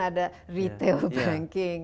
ada retail banking